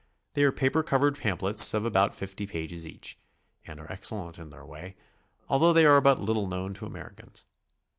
They are paper covered pamphlets of about 50 'pages each, and are excellent in their way, although they are but little known to Americans.